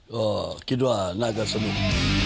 ก็คิดว่าน่าจะสนุก